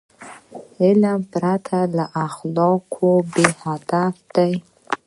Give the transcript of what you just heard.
علم پرته له اخلاقو بېهدفه دی.